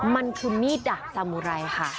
มันคือมีดดาบสามุไรค่ะ